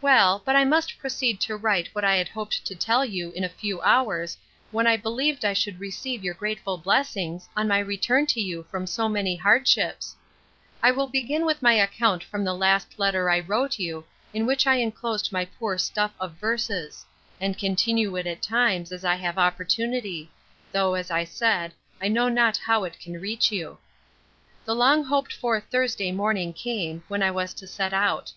Well, but I must proceed to write what I had hoped to tell you in a few hours, when I believed I should receive your grateful blessings, on my return to you from so many hardships. I will begin with my account from the last letter I wrote you, in which I enclosed my poor stuff of verses; and continue it at times, as I have opportunity; though, as I said, I know not how it can reach you. The long hoped for Thursday morning came, when I was to set out.